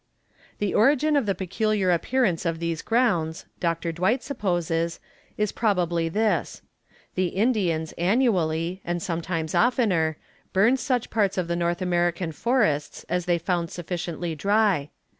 The origin of the peculiar appearance of these grounds, Dr. Dwight supposes, is probably this. The Indians annually, and sometimes oftener, burned such parts of the North American forests as they found sufficiently dry.